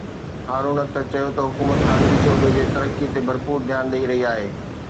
هارون اختر چيو ته حڪومت خانگي شعبي جي ترقي تي ڀرپور ڌيان ڏئي رهي آهي